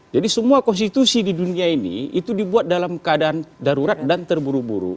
jadi semua konstitusi di dunia ini itu dibuat dalam keadaan darurat dan terburu buru